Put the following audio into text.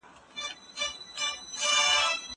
هغه څوک چي موبایل کاروي پوهه زياتوي!!